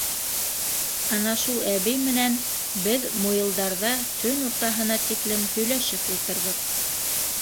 Ана шул әбей менән беҙ Муйылдарҙа төн уртаһына тиклем һөйләшеп ултырҙыҡ.